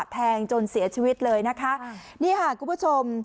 แทงจนเสียชีวิตเลยนะคะนี่ค่ะคุณผู้ชม